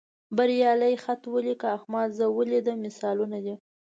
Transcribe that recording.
بریالي خط ولیکه، احمد زه ولیدلم مثالونه دي.